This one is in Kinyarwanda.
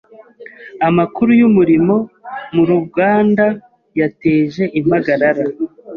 Amakuru yumuriro muruganda yateje impagarara.